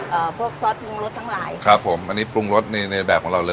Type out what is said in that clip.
พวกซอสปรุงรสทั้งหลายครับผมอันนี้ปรุงรสในในแบบของเราเลย